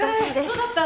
どうだった？